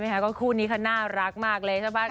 เห็นมั้ยคะก็คู่นี้ค่ะน่ารักมากเลยใช่ป่ะ